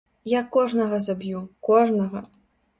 Я кожнага заб'ю, кожнага!